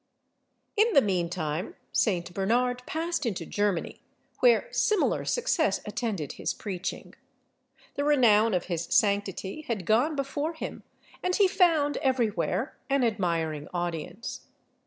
In the mean time St. Bernard passed into Germany, where similar success attended his preaching. The renown of his sanctity had gone before him, and he found every where an admiring audience.